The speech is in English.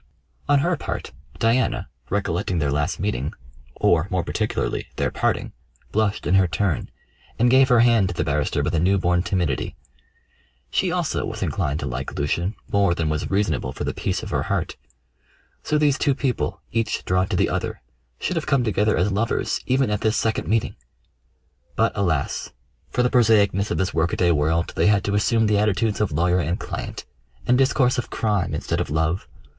On her part, Diana, recollecting their last meeting, or more particularly their parting, blushed in her turn, and gave her hand to the barrister with a new born timidity. She also was inclined to like Lucian more than was reasonable for the peace of her heart; so these two people, each drawn to the other, should have come together as lovers even at this second meeting. But, alas! for the prosaicness of this workaday world, they had to assume the attitudes of lawyer and client; and discourse of crime instead of love.